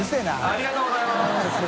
ありがとうございます！